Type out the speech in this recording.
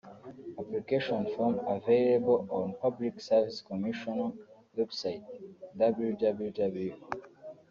Application form available on Public Service Commission website (www